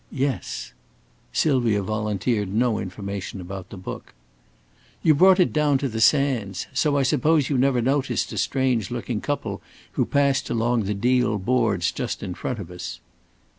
"Yes." Sylvia volunteered no information about that book. "You brought it down to the sands. So I suppose you never noticed a strange looking couple who passed along the deal boards just in front of us."